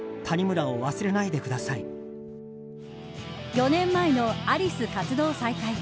４年前のアリス活動再開。